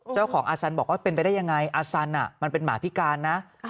เจ้าของอาสันบอกว่าเป็นไปได้ยังไงอาสันมันเป็นหมาพิการนะ